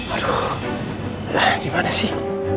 aduh dimana sih